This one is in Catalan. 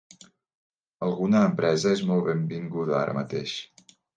Alguna empresa és molt benvinguda ara mateix.